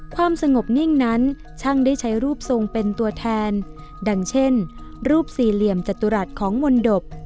ความสงบนิ่งนั้นช่างได้ใช้รูปทรงเป็นตัวแทนดังเช่นรูปสี่เหลี่ยมจตุรัสของมนตบ